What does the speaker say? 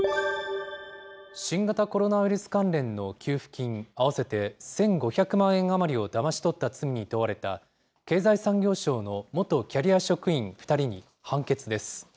新型コロナウイルス関連の給付金合わせて１５００万円余りをだまし取った罪に問われた、経済産業省の元キャリア職員２人に判決です。